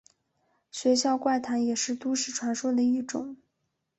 学校怪谈也是都市传说的一种。